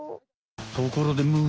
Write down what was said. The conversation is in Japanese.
ところでむー